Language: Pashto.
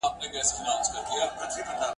او مېر من یې وه له رنګه ډېره ښکلې `